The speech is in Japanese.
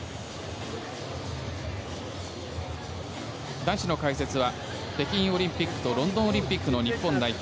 男子の解説は北京オリンピックとロンドンオリンピックの日本代表